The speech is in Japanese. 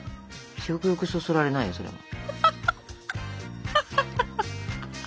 食欲そそられないよそれも。